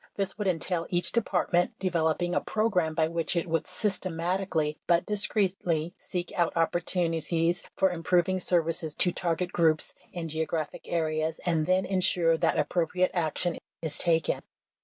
This would entail each De partment developing a program by which it would system atically but discreetly seek out opportunities for improving services to target groups and geographic areas and then insure that appropriate action is taken.